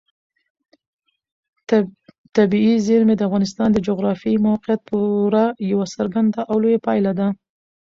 طبیعي زیرمې د افغانستان د جغرافیایي موقیعت پوره یوه څرګنده او لویه پایله ده.